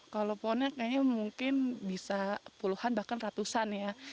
kalau pohonnya kayaknya mungkin bisa puluhan bahkan ratusan ya